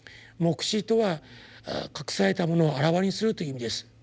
黙示とは「隠されたものを顕わにする」という意味です。